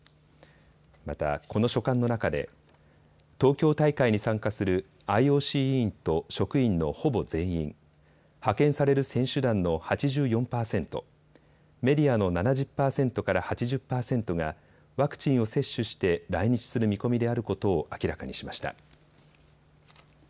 また、この書簡の中で東京大会に参加するＩＯＣ委員と職員のほぼ全員、派遣される選手団の８４％、メディアの７０％から８０％がワクチンを接種して来日する見込みであることを明らかにしました。